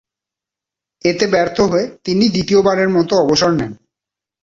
এতে ব্যর্থ হয়ে তিনি দ্বিতীয়বারের মতো অবসর নেন।